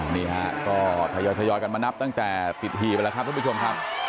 นี่ฮะก็ทยอยกันมานับตั้งแต่ปิดหีบไปแล้วครับท่านผู้ชมครับ